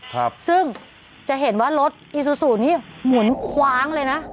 ครับซึ่งจะเห็นว่ารถอีซูซูนี่หมุนคว้างเลยนะ